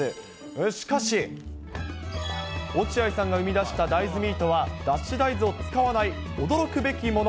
しかし、落合さんが生み出した大豆ミートは、脱脂大豆を使わない驚くべきもの。